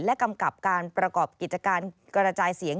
และกำกับการประกอบกิจการกระจายเสียง